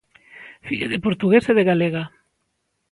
Filla de portugués e de galega.